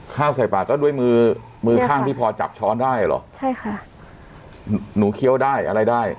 ข้าวใส่ปากก็ด้วยมือมือข้างที่พอจับช้อนได้เหรอใช่ค่ะหนูเคี้ยวได้อะไรได้